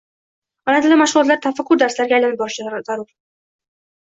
Ona tili mashgʻulotlari tafakkur darslariga aylanib borishi zarur